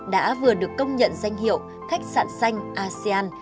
đã vừa được công nhận danh hiệu khách sạn xanh asean